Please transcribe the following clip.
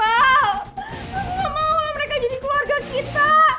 wow gak mau mereka jadi keluarga kita